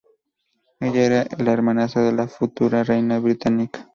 Ella era la hermanastra de la futura reina británica.